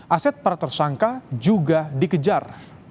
aset para tersangka juga dikejar